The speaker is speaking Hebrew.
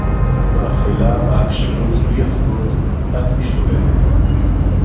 בָּאֲפֵילָה, בְּעַקְשָׁנוּת, בְּלִי הֲפוּגוֹת אַתְּ מִשְׁתּוֹלֶלֶת